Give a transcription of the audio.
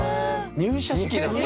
入社式なんだ。